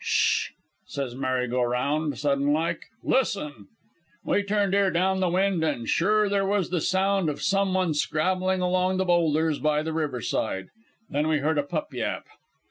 "''Sh!' says Mary go round, sudden like. 'Listen!' "We turned ear down the wind, an' sure there was the sound of some one scrabbling along the boulders by the riverside. Then we heard a pup yap.